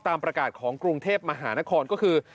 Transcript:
ตามประกาศของกรุงเทพมหานครก็คือ